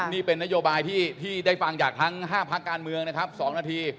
นี่เป็นนโยบายที่ได้ฟังจากทั้ง๕พักการเมืองนะครับ๒นาที